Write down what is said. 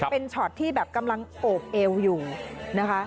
เป็นช็อตที่แบบกำลังโอบเอวอยู่นะคะ